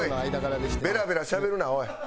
ベラベラしゃべるなおい！